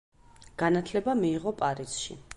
განათლება მიიღო პარიზში.